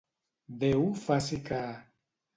Déu faci que...